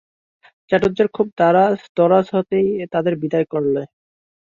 চাটুজ্যেরা খুব দরাজ হাতেই তাদের বিদায় করলে।